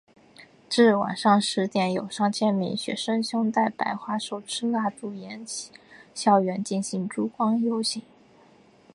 至晚上十点有上千名学生胸带白花手持蜡烛沿校园进行烛光游行。